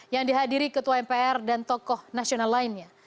yang dihadiri ketua mpr dan tokoh nasional lainnya